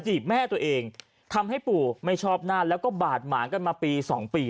แม่ตัวเองทำให้ปู่ไม่ชอบหน้าแล้วก็บาดหมางกันมาปีสองปี